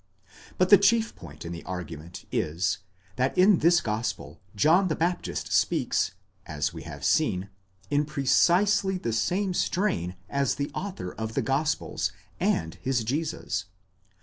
But the chief point in the argument is, that in this gospel John the Baptist speaks, as we have seen, in precisely the same strain as the author of the gospels, and his Jesus.